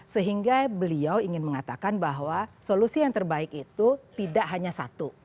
sehingga beliau ingin mengatakan bahwa solusi yang terbaik itu tidak hanya satu